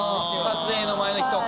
撮影の前の日とか。